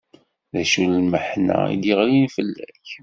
D acu n lmeḥna i d-yeɣlin fell-ak?